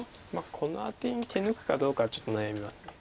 このアテに手抜くかどうかはちょっと悩みます。